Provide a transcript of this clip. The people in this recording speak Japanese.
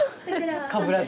かぶらず。